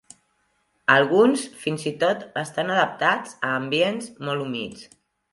Alguns fins i tot estan adaptats a ambients molt humits.